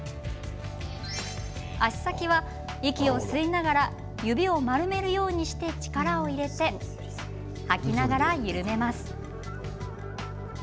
足先は息を吸いながら指を丸めるようにして力を入れて吐きながら緩めます。